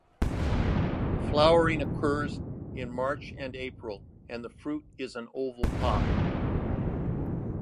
Flowering occurs in March and October and the fruit is an oval pod.